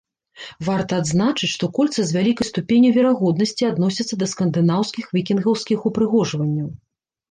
Варта адзначыць, што кольца з вялікай ступенню верагоднасці адносіцца да скандынаўскіх вікінгаўскіх упрыгожанняў.